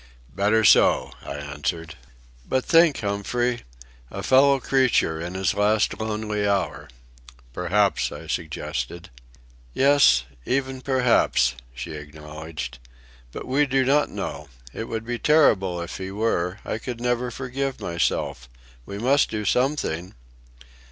"Better so," I answered. "But think, Humphrey, a fellow creature in his last lonely hour." "Perhaps," I suggested. "Yes, even perhaps," she acknowledged. "But we do not know. It would be terrible if he were. I could never forgive myself. We must do something."